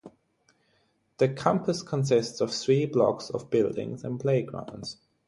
The campus consists of three blocks of buildings and playgrounds.